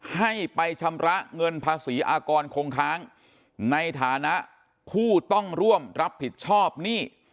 ให้ไปชำระเงินภาษีอากรคงค้างในฐานะผู้ต้องร่วมรับผิดชอบหนี้